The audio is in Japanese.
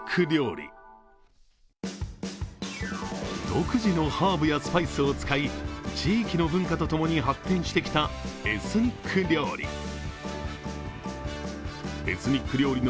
独自のハーブやスパイスを使い地域の文化とともに発展してきたエスニック料理。